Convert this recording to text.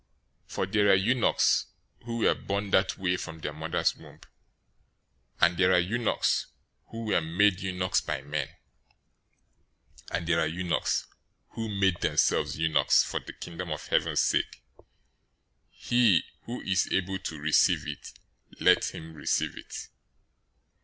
019:012 For there are eunuchs who were born that way from their mother's womb, and there are eunuchs who were made eunuchs by men; and there are eunuchs who made themselves eunuchs for the Kingdom of Heaven's sake. He who is able to receive it, let him receive it."